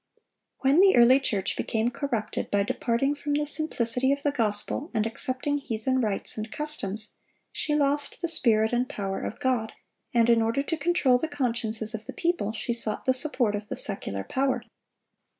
When the early church became corrupted by departing from the simplicity of the gospel and accepting heathen rites and customs, she lost the Spirit and power of God; and in order to control the consciences of the people, she sought the support of the secular power.